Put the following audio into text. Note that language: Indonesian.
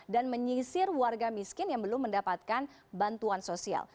dan menyisir warga miskin yang belum mendapatkan bantuan sosial